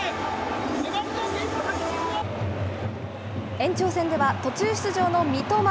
延長戦では途中出場の三笘。